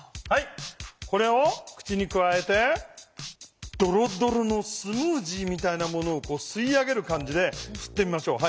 これを口にくわえてドロドロのスムージーみたいなものをすい上げる感じですってみましょう。